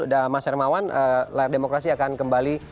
mas hermawan layar demokrasi akan kembali